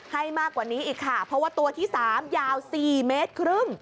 ให้มากกว่านี้อีกค่ะเพราะว่าตัวที่๓ยาว๔เมตรครึ่ง